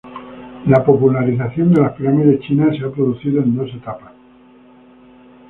La popularización de las pirámides chinas se ha producido en dos etapas.